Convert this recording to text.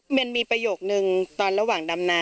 มิลมิลมีประโยชน์หนึ่งตอนระหว่างดำนา